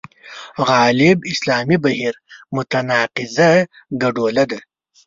غالب اسلامي بهیر متناقضه ګډوله ده.